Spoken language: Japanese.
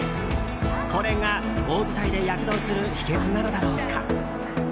これが大舞台で躍動する秘訣なのだろうか。